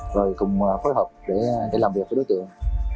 rồi cùng phối hợp để làm việc với đối tượng